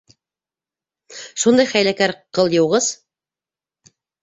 Шундай хәйләкәр ҡылйыуғыс.